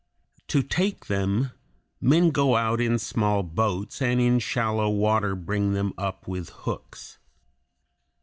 To take them, men go out in small boats, and in shallow water bring them up with hooks.